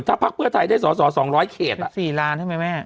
ถ้าพักเพื่อไทยได้สอสอ๒๐๐เขต๔ล้านใช่ไหมแม่